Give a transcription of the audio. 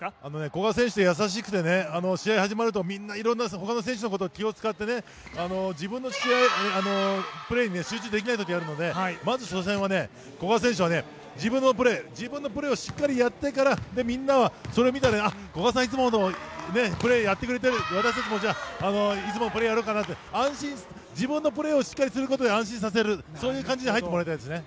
古賀選手って優しくて、試合が始まると、いろんな他の選手のことにも気を遣って自分のプレーに集中できないことがあるので、まず初戦は古賀選手は自分のプレーをしっかりやってからみんなは、それを見て、古賀さんいつものプレーをやってくれている、私たちも、いつものプレーをやろうかなって自分のプレーをしっかりすることで安心させるそういう感じで入ってもらいたいですね。